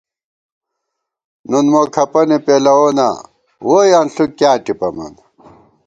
نُون مو کھپنی پېلووناں ووئی انݪک کیاں ٹِپمان